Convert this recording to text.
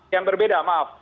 yang berbeda maaf